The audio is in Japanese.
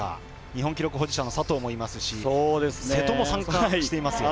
日本記録保持者の佐藤もいますし瀬戸も参加していますよね。